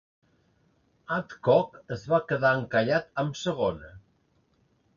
Adcock es va quedar encallat amb segona.